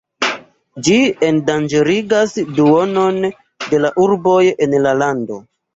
Ĝi endanĝerigas duonon de la urboj en la lando.